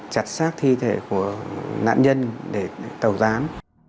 chặt sát thi thể của nạn nhân để tàu gián